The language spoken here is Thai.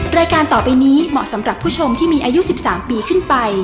รายการต่อไปนี้เหมาะสำหรับผู้ชมที่มีอายุ๑๓ปีขึ้นไป